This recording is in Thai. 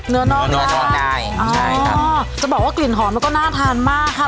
เนื้อนอกได้เนื้อนอกได้ใช่ครับอ๋อจะบอกว่ากลิ่นหอมมันก็น่าทานมากครับ